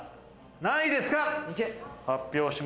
何位ですか？